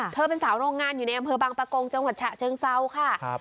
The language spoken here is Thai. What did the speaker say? เธอเป็นสาวโรงงานอยู่ในอำเภอบางปะโกงจังหวัดฉะเชิงเซาค่ะ